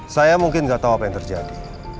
saya mungkin nggak tahu apa yang terjadi